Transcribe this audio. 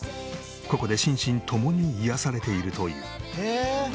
ここで心身ともに癒やされているという。